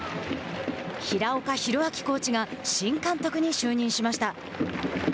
平岡宏章コーチが新監督に就任しました。